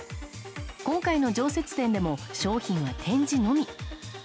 今回の常設店でも商品は展示のみ。